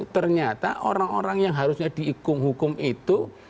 ternyata orang orang yang harusnya dihukum itu